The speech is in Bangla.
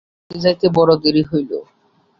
যাইতে যাইতে বড় দেরি হইল।